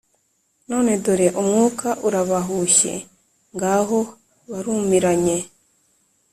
none dore umwuka urabahushye, ngaho barumiranye,